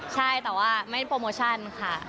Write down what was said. ใช่แต่ว่าไม่โปรโมชั่นค่ะ